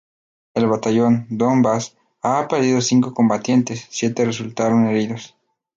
El Batallón "Donbas" ha perdido cinco combatientes, siete resultaron heridos.